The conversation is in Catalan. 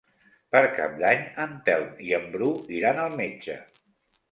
Per Cap d'Any en Telm i en Bru iran al metge.